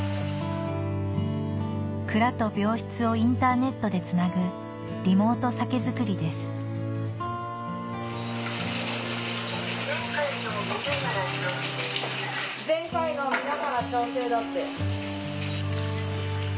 蔵と病室をインターネットでつなぐリモート酒造りです「前回のを見ながら調整」だって。